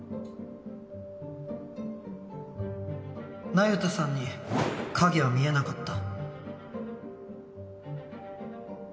那由他さんに影は見えなかった